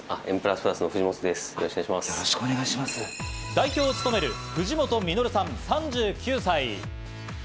代表を務める藤本実さん、３９歳。